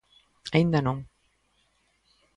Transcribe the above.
Aínda non.